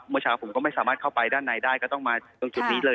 เมื่อเช้าผมก็ไม่สามารถเข้าไปด้านในได้ก็ต้องมาตรงจุดนี้เลย